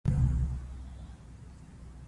هغه د کورنۍ لپاره د خوړو د خوندي ساتلو لارې لټوي.